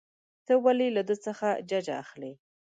ته ولې له ده څخه ججه اخلې.